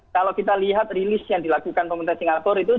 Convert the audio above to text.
kalau kita lihat rilis yang dilakukan pemerintah singapura itu